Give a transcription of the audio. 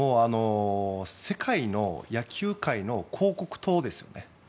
世界の野球界の広告塔ですよね。